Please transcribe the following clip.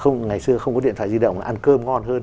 ngày xưa không có điện thoại di động ăn cơm ngon hơn